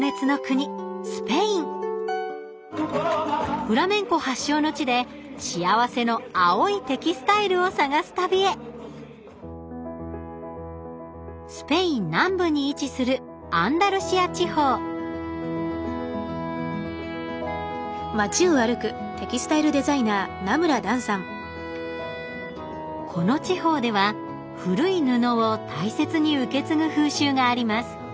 スペインフラメンコ発祥の地で幸せの青いテキスタイルを探す旅へスペイン南部に位置するアンダルシア地方この地方では古い布を大切に受け継ぐ風習があります。